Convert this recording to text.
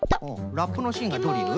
ラップのしんがドリル？